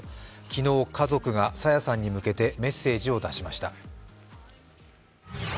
昨日、家族が朝芽さんに向けてメッセージを出しました。